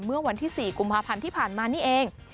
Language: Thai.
เมื่อวันที่๔กุมภาพันธ์ที่ผ่านมานี่เอง